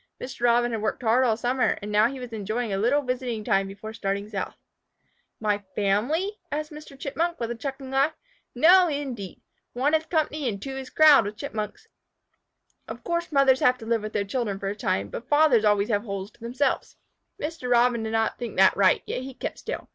Mr. Robin had worked hard all summer, and now he was enjoying a little visiting time before starting south. "My family?" answered Mr. Chipmunk, with a chuckling laugh. "No, indeed! One is company and two is crowd with Chipmunks. Of course mothers have to live with their children for a time, but fathers always have holes to themselves." Mr. Robin did not think that right, yet he kept still.